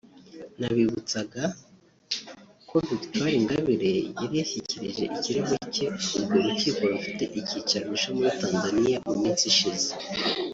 Nabibutsa ko Victoire Ingabire yari yashyikirije ikirego cye urwo rukiko rufite icyicaro Arusha muri Tanzaniya mu minsi ishize